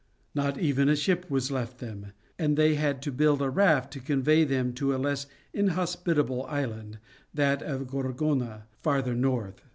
Not even a ship was left them, and they had to build a raft to convey them to a less inhospitable island, that of Gorgona, farther north.